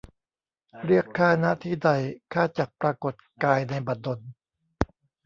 เรียกข้า ณ ที่ใด ข้าจักปรากฎกายในบัดดล